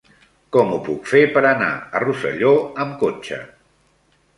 Com ho puc fer per anar a Rosselló amb cotxe?